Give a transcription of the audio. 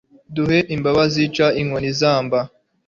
duhe imbabazi ca inkoni izamba